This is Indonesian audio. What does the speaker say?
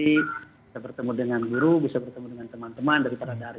bisa bertemu dengan guru bisa bertemu dengan teman teman dari para dari